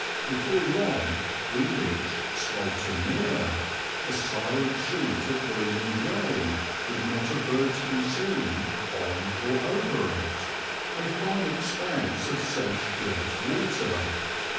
Before long we reach Scoulton Mere, a silent sheet of gleaming grey, with not a bird to be seen on or over it, a fine expanse of sedge girt water.